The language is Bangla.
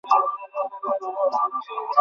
আমি যাই এম্পায়ার স্টেটে।